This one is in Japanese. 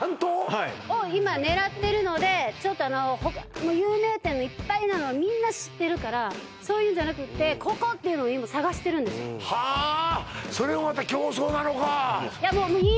はいを今狙ってるのでちょっとあの有名店のいっぱいなのはみんな知ってるからそういうんじゃなくってここっていうのを今探してるんですよはあそれもまた競争なのかいや